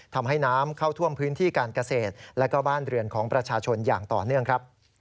ทำให้น้ำเข้าท่วมพื้นที่การเกษตรและก็บ้านเรือนของประชาชนอย่างต่อเนื่องครับ